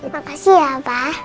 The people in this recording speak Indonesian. makasih ya pa